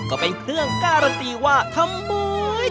ก็เป็นเครื่องการตีว่าทำบุ๊ย